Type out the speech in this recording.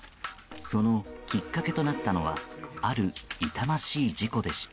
そのきっかけとなったのはある痛ましい事故でした。